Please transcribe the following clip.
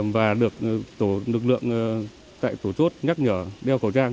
và được tổ lực lượng tại tổ chốt nhắc nhở đeo khẩu trang